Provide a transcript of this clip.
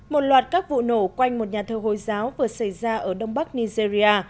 một loạt các vụ nổ quanh một nhà thờ hồi giáo vừa xảy ra ở đông bắc nigeria